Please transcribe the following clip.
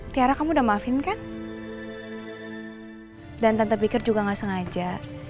tiara kamu udah maafin kan dan tanpa pikir juga nggak sengaja